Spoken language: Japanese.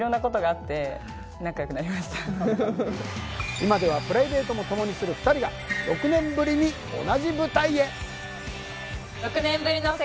今ではプライベートも共にする２人が６年ぶりに同じ舞台へ！